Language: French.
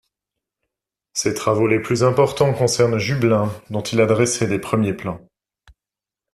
Ses travaux les plus importants concernent Jublains, dont il a dressé les premiers plans.